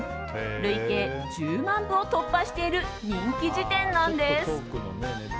累計１０万部を突破している人気事典なんです。